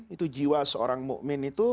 itu jiwa seorang mu'min itu